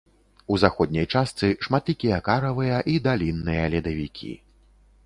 У заходняй частцы шматлікія каравыя і далінныя ледавікі.